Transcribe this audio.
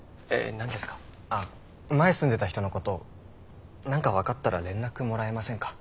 あっ前住んでた人のこと何か分かったら連絡もらえませんか？